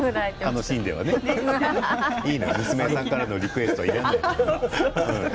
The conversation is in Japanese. いいの、娘さんからのリクエストいらないから。